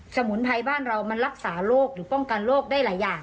มุนไพรบ้านเรามันรักษาโรคหรือป้องกันโรคได้หลายอย่าง